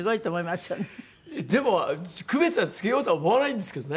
でも区別はつけようとは思わないんですけどね。